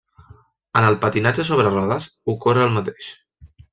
En el patinatge sobre rodes, ocorre el mateix.